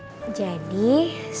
aku mau lihatnya dulu ya